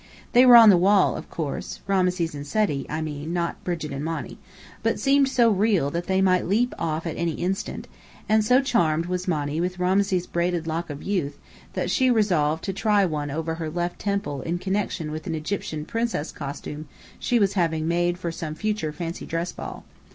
They were on the wall, of course (Rameses and Seti, I mean, not Brigit and Monny), but seemed so real they might leap off at any instant; and so charmed was Monny with Rameses' braided "lock of youth" that she resolved to try one over her left temple in connection with an Egyptian Princess costume she was having made for some future fancy dress ball.